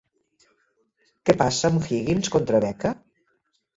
Què passa amb Higgins contra Becca?